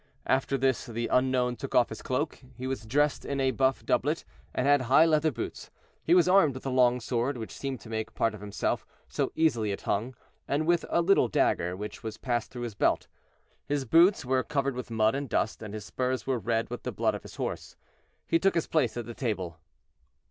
After this the unknown took off his cloak. He was dressed in a buff doublet, and had high leather boots; he was armed with a long sword, which seemed to make part of himself, so easily it hung, and with a little dagger, which was passed through his belt. His boots were covered with mud and dust, and his spurs were red with the blood of his horse. He took his place at the table.